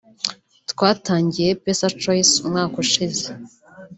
Twatangiye PesaChoice umwaka ushize